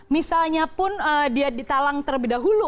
misalnya pun dia ditalang terlebih dahulu